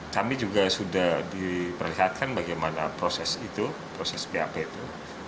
saya sudah diperlihatkan bagaimana proses itu proses bap itu